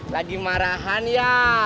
lagi marahan ya